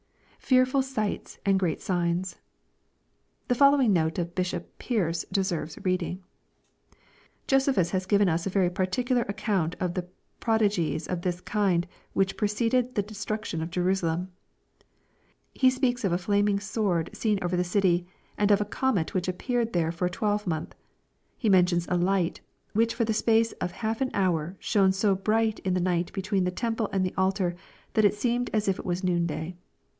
[Fearful sights and great signs,] The following note of Bishop Pearce deserves reading. *' Josephus has given us a very partic ular account of the prodigies of this kind which preceded the de struction of Jerusalem. He speaks of a flaming sword seen over the city, and of a comet which appeared there for a twelvemonth. He mentions a light, which for the space of half an hour shone so bright in the night between the temple and the altar, that it seemed as if it was noon day.